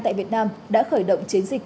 tại việt nam đã khởi động chiến dịch